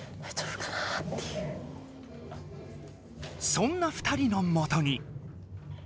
そんな２人のもとに。